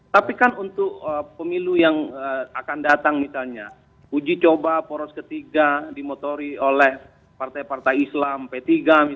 tapi kan untuk pemilu yang akan datang misalnya uji coba poros ketiga dimotori oleh partai partai islam p tiga misalnya pkb dan semacam itu